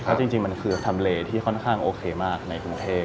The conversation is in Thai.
เพราะจริงมันคือทำเลที่ค่อนข้างโอเคมากในกรุงเทพ